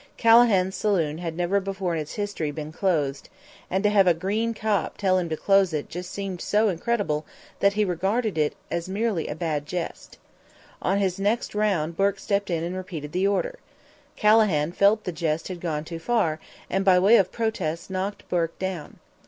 Calahan's saloon had never before in its history been closed, and to have a green cop tell him to close it seemed to him so incredible that he regarded it merely as a bad jest. On his next round Bourke stepped in and repeated the order. Calahan felt that the jest had gone too far, and by way of protest knocked Bourke down.